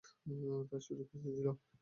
তারা সুযোগ খুঁজতে ছিল।